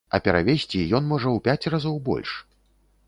А перавезці ён можа у пяць разоў больш.